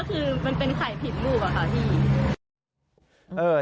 คือมันเป็นไข่ผิดลูกอะค่ะพี่